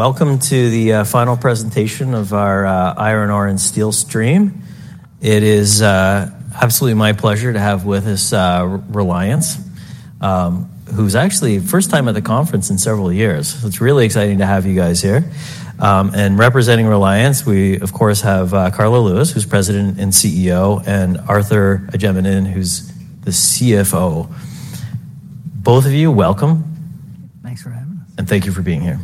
Welcome to the final presentation of our iron ore and steel stream. It is absolutely my pleasure to have with us Reliance, who's actually first time at the conference in several years. It's really exciting to have you guys here. And representing Reliance, we, of course, have Karla Lewis, who's President and CEO, and Arthur Ajemyan, who's the CFO. Both of you, welcome. Thanks for having us. Thank you for being here.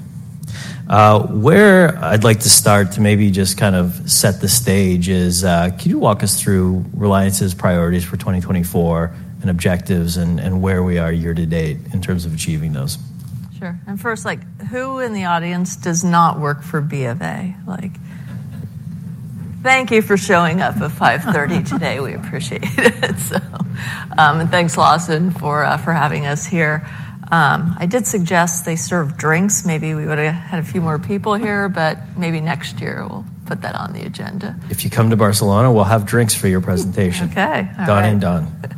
Where I'd like to start to maybe just kind of set the stage is, can you walk us through Reliance's priorities for 2024 and objectives, and where we are year to date in terms of achieving those? Sure. First, like, who in the audience does not work for Bank of America? Like, thank you for showing up at 5:30 P.M. today. We appreciate it. So, thanks, Lawson, for having us here. I did suggest they serve drinks. Maybe we would've had a few more people here, but maybe next year we'll put that on the agenda. If you come to Barcelona, we'll have drinks for your presentation. Okay. Done and done.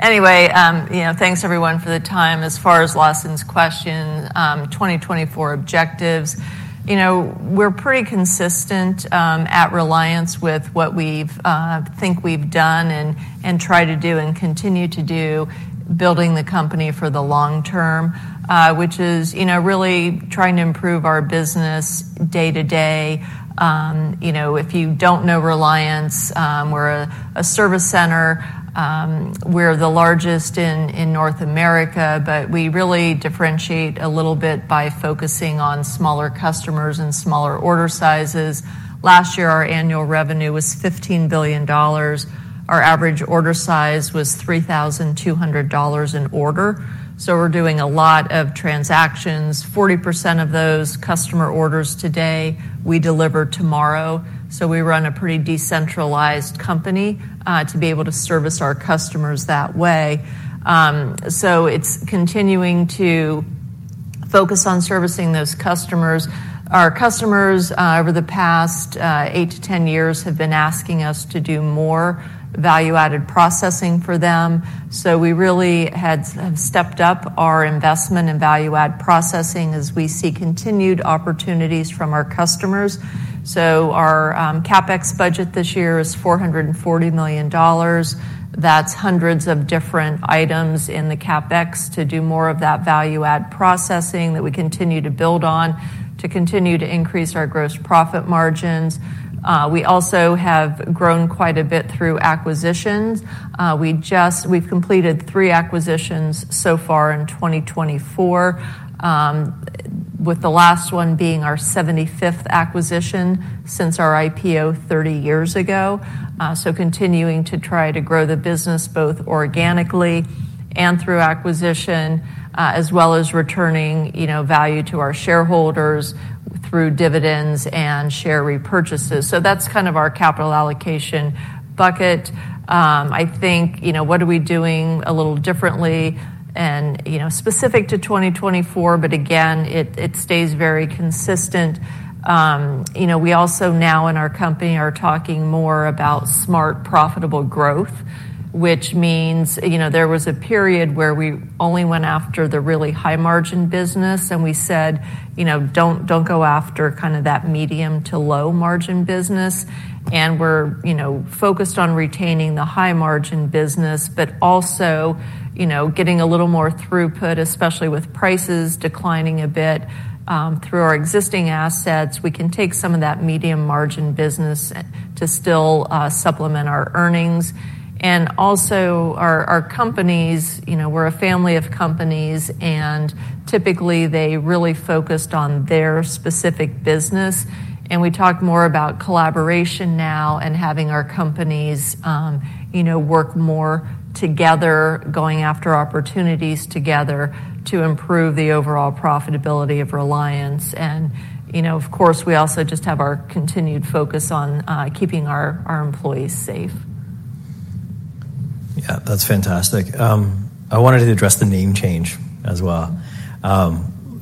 Anyway, you know, thanks, everyone, for the time. As far as Lawson's question, 2024 objectives, you know, we're pretty consistent at Reliance with what we think we've done and try to do and continue to do, building the company for the long term, which is, you know, really trying to improve our business day to day. You know, if you don't know Reliance, we're a service center. We're the largest in North America, but we really differentiate a little bit by focusing on smaller customers and smaller order sizes. Last year, our annual revenue was $15 billion. Our average order size was $3,200 an order, so we're doing a lot of transactions. 40% of those customer orders today, we deliver tomorrow, so we run a pretty decentralized company, to be able to service our customers that way. So it's continuing to focus on servicing those customers. Our customers, over the past, 8-10 years, have been asking us to do more value-added processing for them. So we really had, stepped up our investment in value-add processing as we see continued opportunities from our customers. So our, CapEx budget this year is $440 million. That's hundreds of different items in the CapEx to do more of that value-add processing that we continue to build on, to continue to increase our gross profit margins. We also have grown quite a bit through acquisitions. We just... We've completed 3 acquisitions so far in 2024, with the last one being our 75th acquisition since our IPO 30 years ago. So continuing to try to grow the business both organically and through acquisition, as well as returning, you know, value to our shareholders through dividends and share repurchases. So that's kind of our capital allocation bucket. I think, you know, what are we doing a little differently and, you know, specific to 2024, but again, it stays very consistent. You know, we also now in our company are talking more about smart, profitable growth, which means... You know, there was a period where we only went after the really high-margin business, and we said, "You know, don't, don't go after kind of that medium to low-margin business." And we're, you know, focused on retaining the high-margin business, but also, you know, getting a little more throughput, especially with prices declining a bit, through our existing assets. We can take some of that medium-margin business to still supplement our earnings. And also, our companies, you know, we're a family of companies, and typically, they really focused on their specific business. And we talk more about collaboration now and having our companies, you know, work more together, going after opportunities together to improve the overall profitability of Reliance. And, you know, of course, we also just have our continued focus on keeping our employees safe. Yeah, that's fantastic. I wanted to address the name change as well.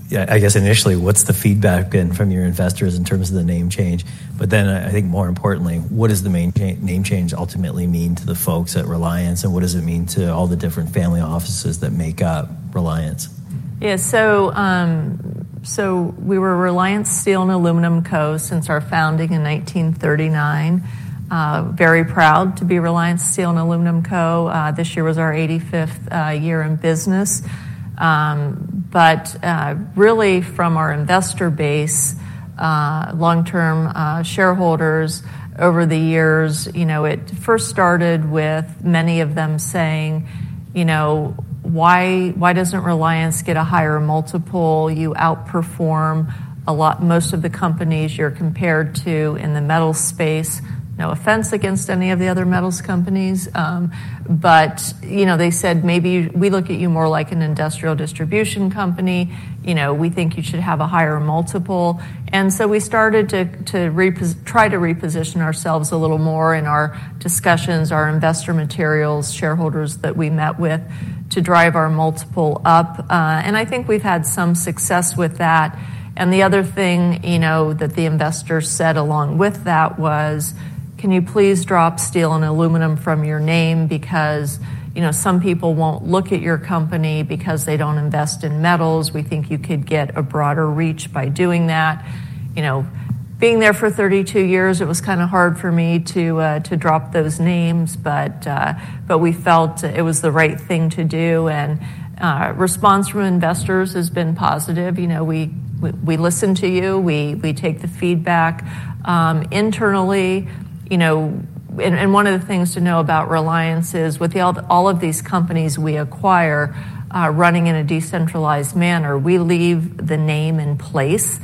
Yeah, I guess initially, what's the feedback been from your investors in terms of the name change? But then, I think more importantly, what does the name change ultimately mean to the folks at Reliance, and what does it mean to all the different family offices that make up Reliance? Yeah. So, we were Reliance Steel & Aluminum Co. since our founding in 1939. Very proud to be Reliance Steel & Aluminum Co. This year was our 85th year in business. But, really from our investor base, long-term shareholders over the years, you know, it first started with many of them saying, "You know, why, why doesn't Reliance get a higher multiple? You outperform a lot, most of the companies you're compared to in the metal space. No offense against any of the other metals companies, but, you know, they said, maybe we look at you more like an industrial distribution company. You know, we think you should have a higher multiple." And so we started to reposition ourselves a little more in our discussions, our investor materials, shareholders that we met with, to drive our multiple up. I think we've had some success with that. And the other thing, you know, that the investors said along with that was, "Can you please drop steel and aluminum from your name? Because, you know, some people won't look at your company because they don't invest in metals. We think you could get a broader reach by doing that." You know, being there for 32 years, it was kinda hard for me to drop those names, but we felt it was the right thing to do, and response from investors has been positive. You know, we listen to you, we take the feedback. Internally, you know, one of the things to know about Reliance is, with all of these companies we acquire, running in a decentralized manner, we leave the name in place.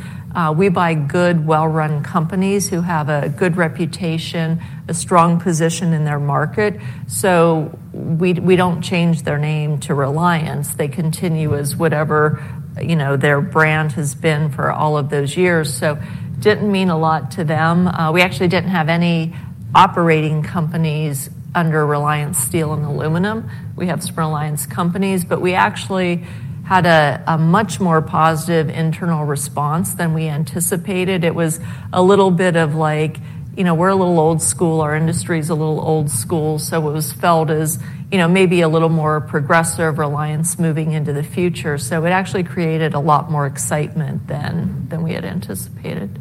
We buy good, well-run companies who have a good reputation, a strong position in their market, so we don't change their name to Reliance. They continue as whatever, you know, their brand has been for all of those years. So didn't mean a lot to them. We actually didn't have any operating companies under Reliance Steel & Aluminum. We have some Reliance companies, but we actually had a much more positive internal response than we anticipated. It was a little bit of like, you know, we're a little old school, our industry is a little old school, so it was felt as, you know, maybe a little more progressive Reliance moving into the future. So it actually created a lot more excitement than, than we had anticipated.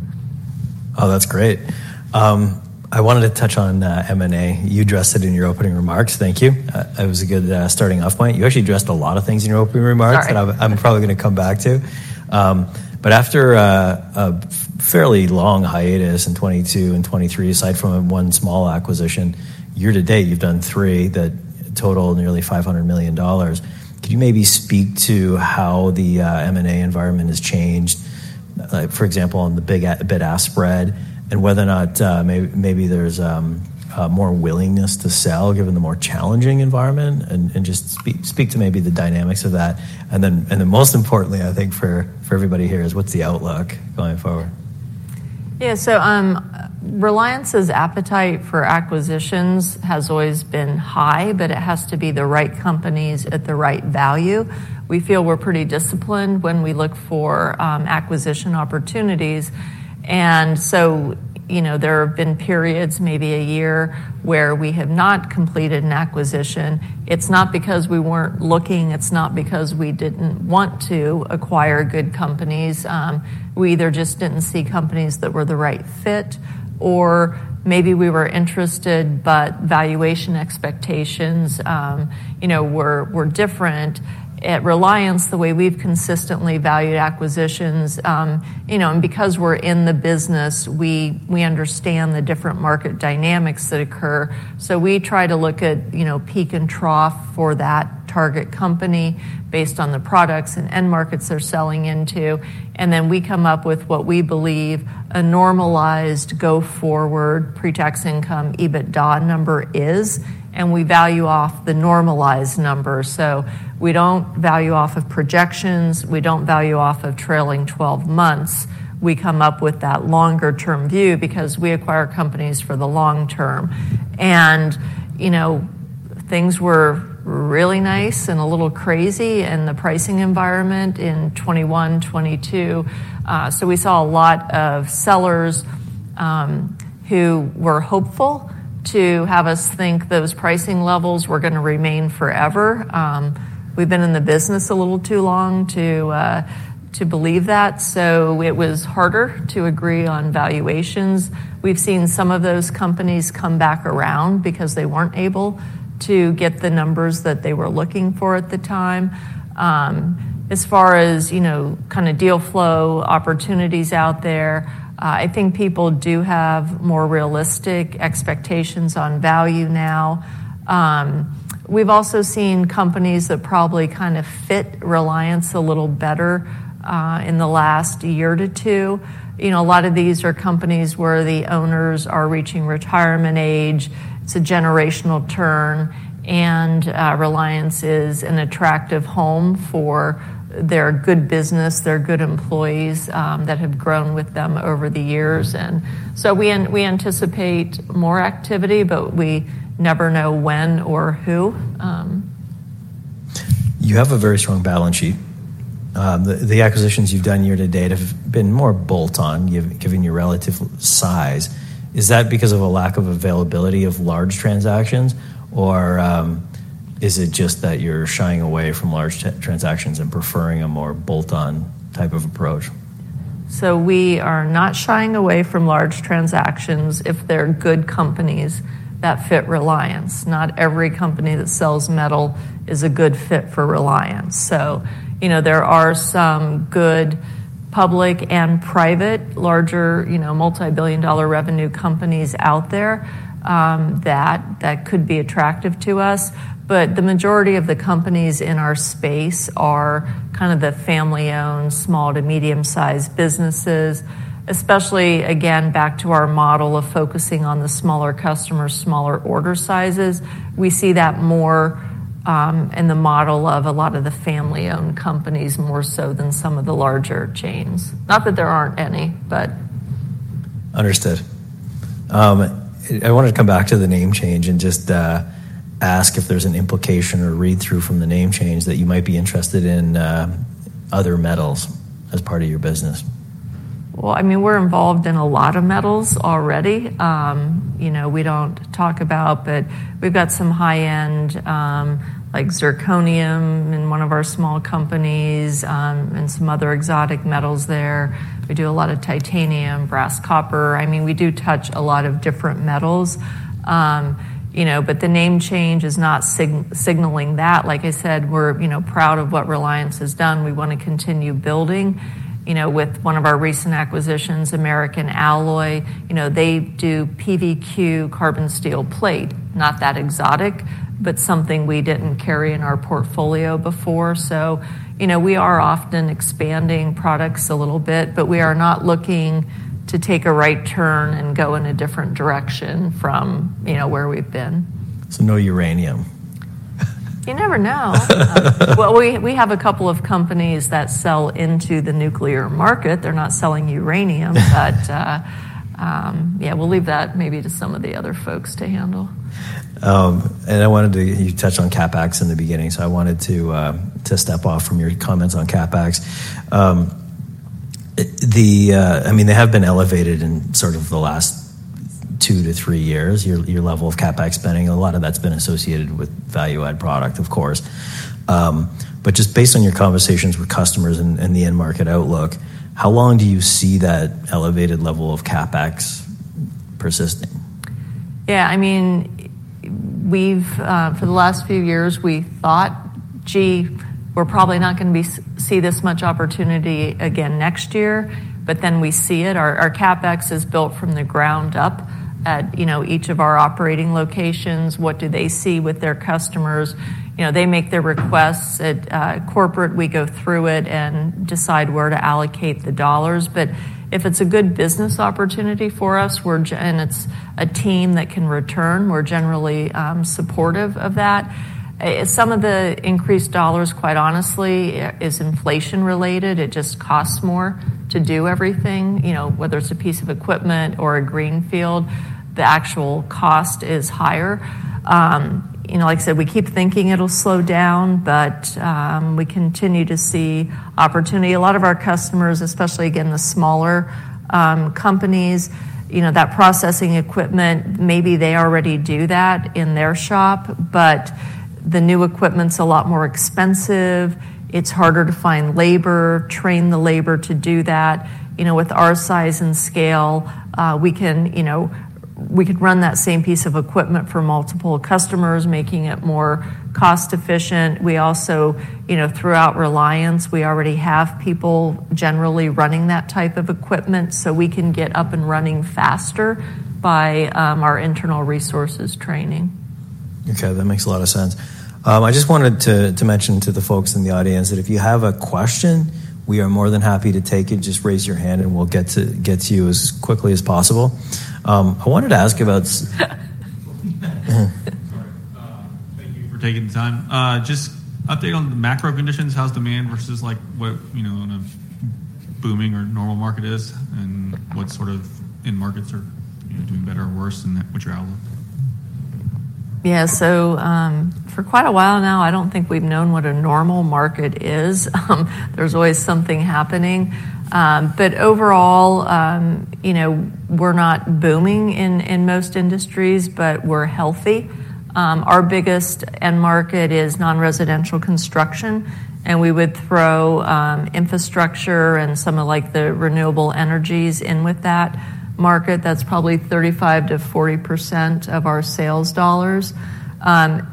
Oh, that's great. I wanted to touch on M&A. You addressed it in your opening remarks. Thank you. It was a good starting off point. You actually addressed a lot of things in your opening remarks- All right. -that I'm probably gonna come back to. But after a fairly long hiatus in 2022 and 2023, aside from one small acquisition, year to date, you've done three that total nearly $500 million. Can you maybe speak to how the M&A environment has changed, for example, on the bid-ask spread, and whether or not maybe there's more willingness to sell, given the more challenging environment? And just speak to maybe the dynamics of that. And then, most importantly, I think, for everybody here is: What's the outlook going forward? Yeah, so, Reliance's appetite for acquisitions has always been high, but it has to be the right companies at the right value. We feel we're pretty disciplined when we look for acquisition opportunities. And so, you know, there have been periods, maybe a year, where we have not completed an acquisition. It's not because we weren't looking, it's not because we didn't want to acquire good companies. We either just didn't see companies that were the right fit, or maybe we were interested, but valuation expectations, you know, were different. At Reliance, the way we've consistently valued acquisitions, you know, and because we're in the business, we understand the different market dynamics that occur. So we try to look at, you know, peak and trough for that target company based on the products and end markets they're selling into, and then we come up with what we believe a normalized go-forward pre-tax income, EBITDA number is, and we value off the normalized number. So we don't value off of projections, we don't value off of trailing 12 months. We come up with that longer-term view because we acquire companies for the long term. And, you know, things were really nice and a little crazy in the pricing environment in 2021, 2022, so we saw a lot of sellers, who were hopeful to have us think those pricing levels were gonna remain forever. We've been in the business a little too long to believe that, so it was harder to agree on valuations. We've seen some of those companies come back around because they weren't able to get the numbers that they were looking for at the time. As far as, you know, kind of deal flow opportunities out there, I think people do have more realistic expectations on value now. We've also seen companies that probably kind of fit Reliance a little better, in the last year to two. You know, a lot of these are companies where the owners are reaching retirement age. It's a generational turn, and Reliance is an attractive home for their good business, their good employees, that have grown with them over the years. And so we anticipate more activity, but we never know when or who. You have a very strong balance sheet. The acquisitions you've done year to date have been more bolt-on, given your relative size. Is that because of a lack of availability of large transactions, or is it just that you're shying away from large transactions and preferring a more bolt-on type of approach?... So we are not shying away from large transactions if they're good companies that fit Reliance. Not every company that sells metal is a good fit for Reliance. So, you know, there are some good public and private, larger, you know, multibillion-dollar revenue companies out there that could be attractive to us. But the majority of the companies in our space are kind of the family-owned, small to medium-sized businesses, especially, again, back to our model of focusing on the smaller customers, smaller order sizes. We see that more in the model of a lot of the family-owned companies, more so than some of the larger chains. Not that there aren't any, but- Understood. I wanted to come back to the name change and just ask if there's an implication or read-through from the name change that you might be interested in other metals as part of your business? Well, I mean, we're involved in a lot of metals already. You know, we don't talk about, but we've got some high-end, like zirconium in one of our small companies, and some other exotic metals there. We do a lot of titanium, brass, copper. I mean, we do touch a lot of different metals. You know, but the name change is not signaling that. Like I said, we're, you know, proud of what Reliance has done. We wanna continue building. You know, with one of our recent acquisitions, American Alloy, you know, they do PVQ carbon steel plate. Not that exotic, but something we didn't carry in our portfolio before. So, you know, we are often expanding products a little bit, but we are not looking to take a right turn and go in a different direction from, you know, where we've been. So no uranium? You never know. Well, we, we have a couple of companies that sell into the nuclear market. They're not selling uranium. But, yeah, we'll leave that maybe to some of the other folks to handle. And I wanted to—you touched on CapEx in the beginning, so I wanted to step off from your comments on CapEx. I mean, they have been elevated in sort of the last 2-3 years, your level of CapEx spending. A lot of that's been associated with value-add product, of course. But just based on your conversations with customers and the end market outlook, how long do you see that elevated level of CapEx persisting? Yeah, I mean, we've for the last few years, we thought, "Gee, we're probably not gonna see this much opportunity again next year," but then we see it. Our CapEx is built from the ground up at, you know, each of our operating locations. What do they see with their customers? You know, they make their requests. At corporate, we go through it and decide where to allocate the dollars. But if it's a good business opportunity for us, and it's a team that can return, we're generally supportive of that. Some of the increased dollars, quite honestly, is inflation related. It just costs more to do everything. You know, whether it's a piece of equipment or a greenfield, the actual cost is higher. You know, like I said, we keep thinking it'll slow down, but we continue to see opportunity. A lot of our customers, especially, again, the smaller companies, you know, that processing equipment, maybe they already do that in their shop, but the new equipment's a lot more expensive. It's harder to find labor, train the labor to do that. You know, with our size and scale, we can, you know, we could run that same piece of equipment for multiple customers, making it more cost-efficient. We also... You know, throughout Reliance, we already have people generally running that type of equipment, so we can get up and running faster by our internal resources training. Okay, that makes a lot of sense. I just wanted to mention to the folks in the audience that if you have a question, we are more than happy to take it. Just raise your hand, and we'll get to you as quickly as possible. I wanted to ask about- Sorry. Thank you for taking the time. Just update on the macro conditions. How's demand versus, like, what, you know, in a booming or normal market is? And what sort of end markets are, you know, doing better or worse, and what's your outlook? Yeah. So, for quite a while now, I don't think we've known what a normal market is. There's always something happening. But overall, you know, we're not booming in most industries, but we're healthy. Our biggest end market is non-residential construction, and we would throw infrastructure and some of, like, the renewable energies in with that market. That's probably 35%-40% of our sales dollars.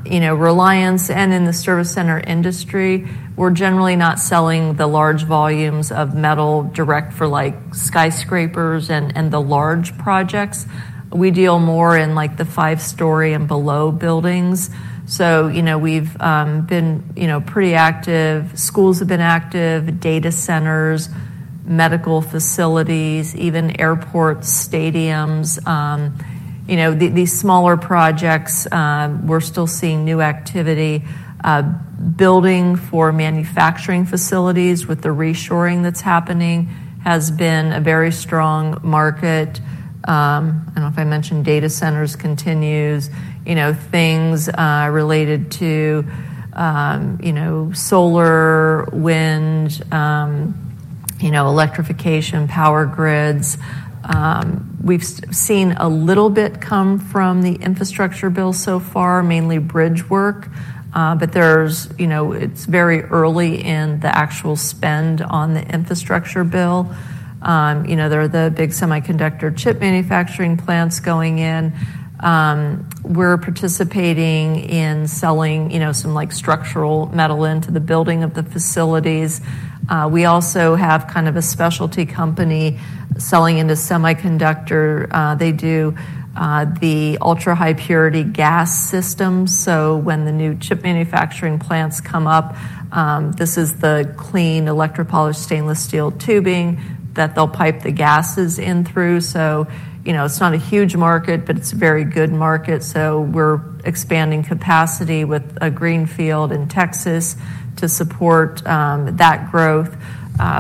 You know, Reliance, and in the service center industry, we're generally not selling the large volumes of metal direct for, like, skyscrapers and the large projects. We deal more in, like, the five-story and below buildings. So, you know, we've been, you know, pretty active. Schools have been active, data centers, medical facilities, even airports, stadiums. You know, these smaller projects, we're still seeing new activity. Building for manufacturing facilities with the reshoring that's happening has been a very strong market. I don't know if I mentioned data centers continues. You know, things related to, you know, solar, wind. You know, electrification, power grids. We've seen a little bit come from the infrastructure bill so far, mainly bridge work. But there's, you know, it's very early in the actual spend on the infrastructure bill. You know, there are the big semiconductor chip manufacturing plants going in. We're participating in selling, you know, some, like, structural metal into the building of the facilities. We also have kind of a specialty company selling into semiconductor. They do the ultrahigh purity gas systems. So when the new chip manufacturing plants come up, this is the clean electropolished stainless steel tubing that they'll pipe the gases in through. So, you know, it's not a huge market, but it's a very good market, so we're expanding capacity with a greenfield in Texas to support that growth.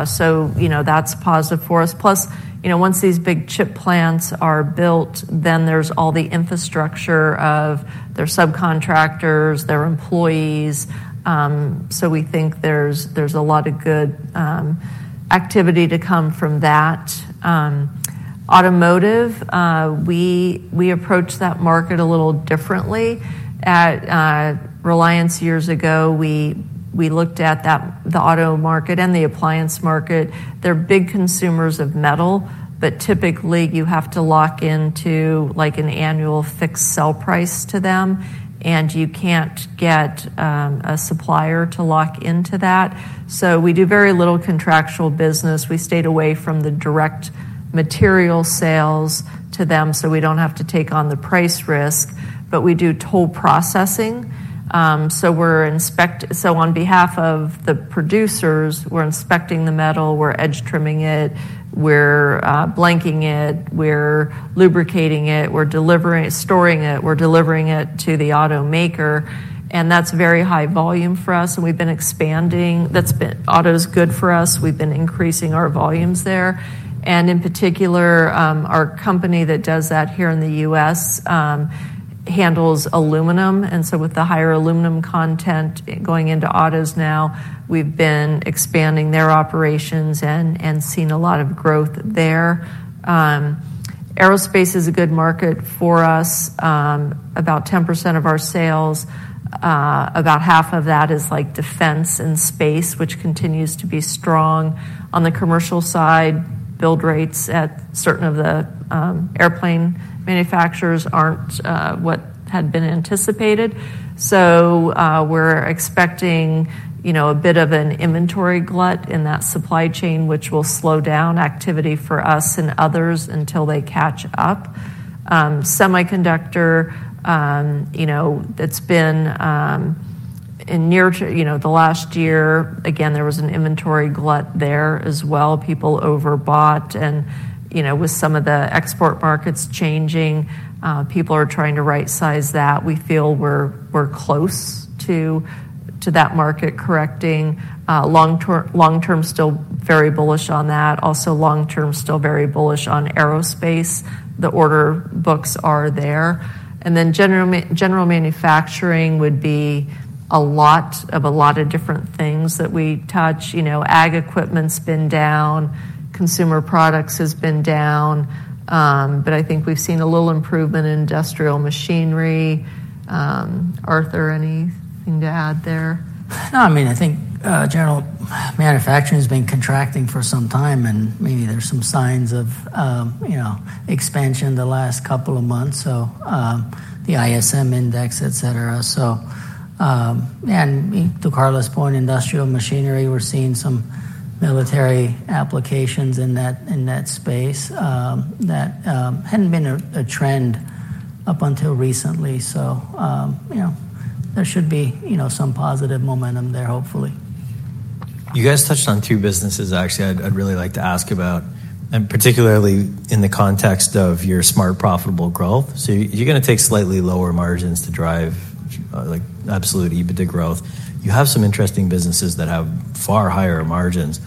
So, you know, that's positive for us. Plus, you know, once these big chip plants are built, then there's all the infrastructure of their subcontractors, their employees. So we think there's, there's a lot of good activity to come from that. Automotive, we approach that market a little differently. At Reliance, years ago, we looked at that the auto market and the appliance market. They're big consumers of metal, but typically, you have to lock into, like, an annual fixed sell price to them, and you can't get a supplier to lock into that. So we do very little contractual business. We stayed away from the direct material sales to them, so we don't have to take on the price risk, but we do toll processing. So on behalf of the producers, we're inspecting the metal, we're edge trimming it, we're blanking it, we're lubricating it, we're storing it, we're delivering it to the automaker, and that's very high volume for us, and we've been expanding. Auto's good for us. We've been increasing our volumes there. And in particular, our company that does that here in the U.S. handles aluminum. And so with the higher aluminum content going into autos now, we've been expanding their operations and seeing a lot of growth there. Aerospace is a good market for us. About 10% of our sales, about half of that is, like, defense and space, which continues to be strong. On the commercial side, build rates at certain of the airplane manufacturers aren't what had been anticipated. So, we're expecting, you know, a bit of an inventory glut in that supply chain, which will slow down activity for us and others until they catch up. Semiconductor, you know, that's been in near to the last year, again, there was an inventory glut there as well. People overbought and, you know, with some of the export markets changing, people are trying to rightsize that. We feel we're close to that market correcting. Long term, still very bullish on that. Also, long term, still very bullish on aerospace. The order books are there. Then general manufacturing would be a lot of different things that we touch. You know, ag equipment's been down, consumer products has been down, but I think we've seen a little improvement in industrial machinery. Arthur, anything to add there? No, I mean, I think, general manufacturing has been contracting for some time, and maybe there's some signs of, you know, expansion in the last couple of months, so, the ISM index, et cetera. So, and to Karla's point, industrial machinery, we're seeing some military applications in that, in that space, that hadn't been a trend up until recently. So, you know, there should be, you know, some positive momentum there, hopefully. You guys touched on two businesses, actually, I'd really like to ask about, and particularly in the context of your smart, profitable growth. So you're gonna take slightly lower margins to drive like absolute EBITDA growth. You have some interesting businesses that have far higher margins.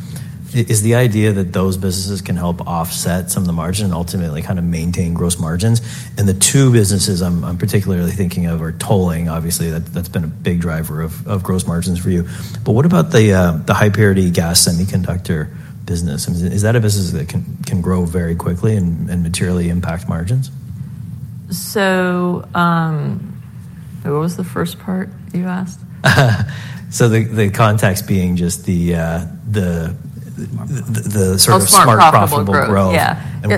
Is the idea that those businesses can help offset some of the margin and ultimately kind of maintain gross margins? And the two businesses I'm particularly thinking of are tolling. Obviously, that's been a big driver of gross margins for you. But what about the high purity gas semiconductor business? Is that a business that can grow very quickly and materially impact margins? So, what was the first part you asked? So the context being just the sort of- The smart, profitable growth. smart, profitable growth. Yeah.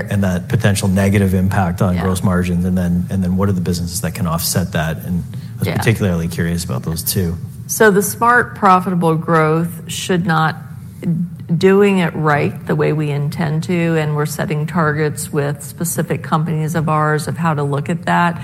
And that potential negative impact on- Yeah gross margins, and then, and then what are the businesses that can offset that? And Yeah I'm particularly curious about those two. So the smart, profitable growth should not... Doing it right, the way we intend to, and we're setting targets with specific companies of ours of how to look at that,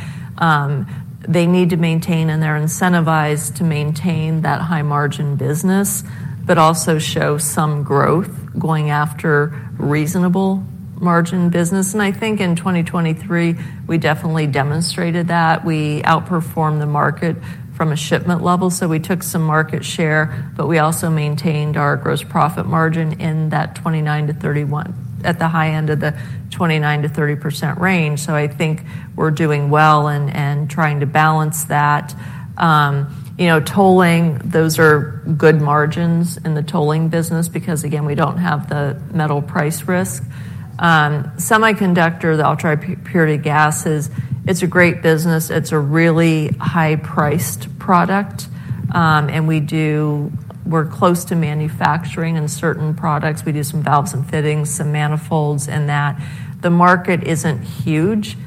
they need to maintain, and they're incentivized to maintain that high-margin business, but also show some growth going after reasonable margin business. I think in 2023, we definitely demonstrated that. We outperformed the market from a shipment level, so we took some market share, but we also maintained our gross profit margin in that 29%-31%, at the high end of the 29%-30% range. So I think we're doing well and trying to balance that. You know, tolling, those are good margins in the tolling business because, again, we don't have the metal price risk. Semiconductor, the ultrahigh purity gases, it's a great business. It's a really high-priced product, and we're close to manufacturing in certain products. We do some valves and fittings, some manifolds, and that. The market isn't huge,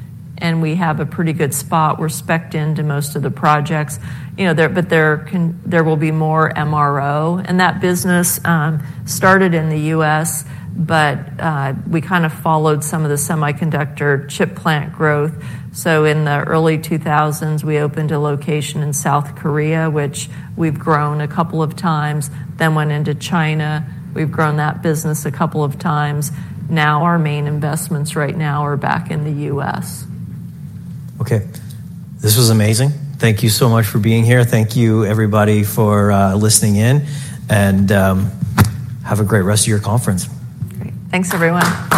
and we have a pretty good spot. We're specced into most of the projects. You know, there, but there will be more MRO. And that business started in the U.S., but we kind of followed some of the semiconductor chip plant growth. So in the early 2000s, we opened a location in South Korea, which we've grown a couple of times, then went into China. We've grown that business a couple of times. Now, our main investments right now are back in the U.S. Okay. This was amazing. Thank you so much for being here. Thank you, everybody, for listening in, and have a great rest of your conference. Great. Thanks, everyone.